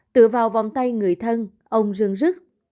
tựa vào vòng tay người thân ông rưng rứt